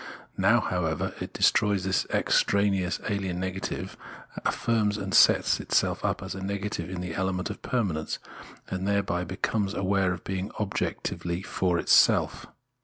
Now, however, it destroys this extraneous alien negative, affirms and sets itself up as a negative in the element of permanence, and thereby becomes aware of being objectively for itself.